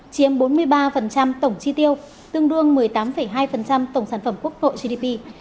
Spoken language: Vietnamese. chiếm bốn mươi ba tổng chi tiêu tương đương một mươi tám hai tổng sản phẩm quốc nội gdp